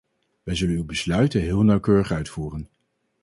Wij zullen uw besluiten heel nauwkeurig uitvoeren.